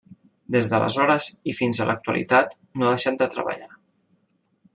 Des d'aleshores i fins a l'actualitat no ha deixat de treballar.